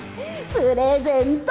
プレゼント！